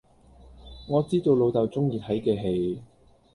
我知道老豆鍾意睇既戲